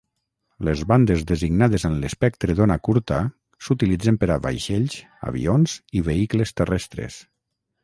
Les bandes designades en l'espectre d'ona curta s'utilitzen per a vaixells, avions i vehicles terrestres.